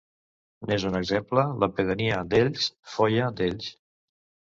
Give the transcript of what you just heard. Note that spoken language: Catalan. N'és un exemple la pedania d'Elx Foia d'Elx.